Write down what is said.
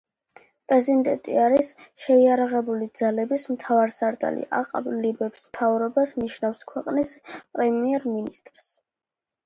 პრეზიდენტი არის შეიარაღებული ძალების მთავარსარდალი, აყალიბებს მთავრობას, ნიშნავს ქვეყნის პრემიერ-მინისტრს.